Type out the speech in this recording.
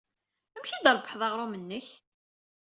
Amek ay d-trebbḥed aɣrum-nnek?